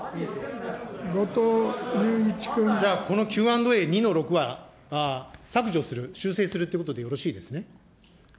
じゃあ、このＱ＆Ａ２の６は削除する、修正するということでよろしいです